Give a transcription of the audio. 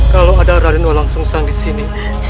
kalau ada radina langsung sang di sini